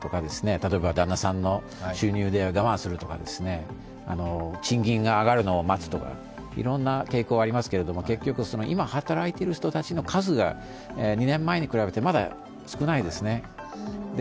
例えば旦那さんの収入で我慢するとか、賃金が上がるのを待つとかいろいろな傾向がありますが結局、今働いている人たちの数が２年前に比べてまだ少ないですね。